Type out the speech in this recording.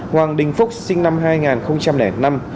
hoàng đình phúc sinh năm hai nghìn